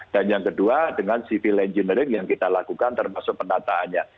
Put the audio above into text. dan yang kedua dengan civil engineering yang kita lakukan termasuk penataannya